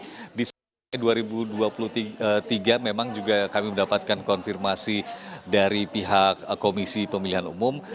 karena di dua ribu dua puluh tiga memang juga kami mendapatkan konfirmasi dari pihak komisi pemilihan umum